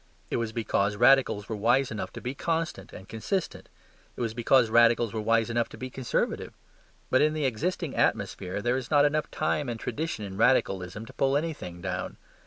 It was because Radicals were wise enough to be constant and consistent; it was because Radicals were wise enough to be Conservative. But in the existing atmosphere there is not enough time and tradition in Radicalism to pull anything down.